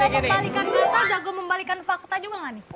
kau mau membalikan kata jago membalikan fakta juga gak nih